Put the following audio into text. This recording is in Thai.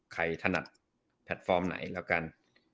ถนัดแพลตฟอร์มไหนแล้วกัน